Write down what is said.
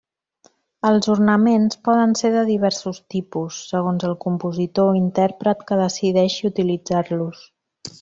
Els ornaments poden ser de diversos tipus, segons el compositor o intèrpret que decideixi utilitzar-los.